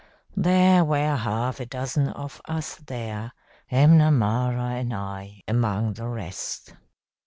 There were half a dozen of us there, M'Namara and I among the rest.